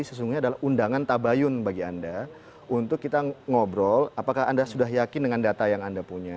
sesungguhnya adalah undangan tabayun bagi anda untuk kita ngobrol apakah anda sudah yakin dengan data yang anda punya